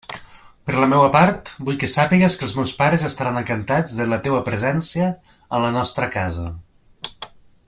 Per la meua part vull que sàpigues que els meus pares estaran encantats de la teua presència en la nostra casa.